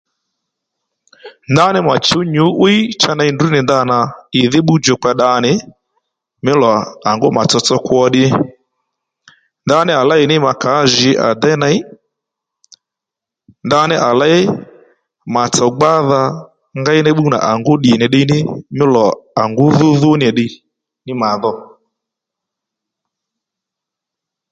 Ndaní mà chǔw nyǔ'wíy cha ney ndrǔ nì ndanà ìdhí pbúw djùkpa ddǎ nì mí lò à ngú mà tsotso kwo ddí ndaní à lêyní mà kǎ jǐ à déy ney ndaní à léy màtsò gbádha ngéy ní pbúw nà à déy ddì nì ddiy ní mí lò à ngú dhú dhú ní nì ddiy ní mà dho